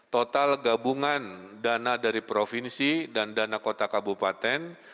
total gabungan dana dari provinsi dan dana kota kabupaten